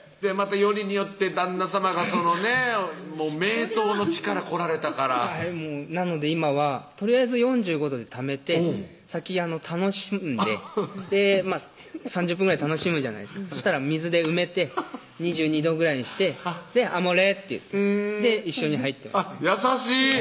たよりによって旦那さまが名湯の地から来られたからなので今はとりあえず４５度でためて先楽しんで３０分ぐらい楽しむじゃないですかそしたら水で埋めて２２度ぐらいにして「アモーレ」って言って一緒に入ってます優しい！